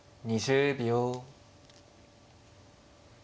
２０秒。